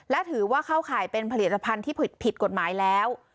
และถือว่าเข้าข่ายเป็นผลิตภัณฑ์ที่ผิดกฎหมายแล้ว